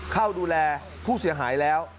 เข้าดูแลผู้เสียหายแล้ว